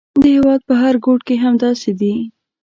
د هېواد په هر ګوټ کې همداسې دي.